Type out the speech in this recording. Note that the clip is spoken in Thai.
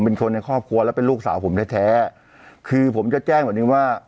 เป็นคนในครอบครัวและเป็นลูกสาวผมแท้แท้คือผมจะแจ้งแบบนี้ว่า